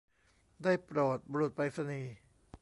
ได้โปรดบุรุษไปรษณีย์